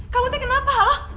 kamu tuh kenapa halo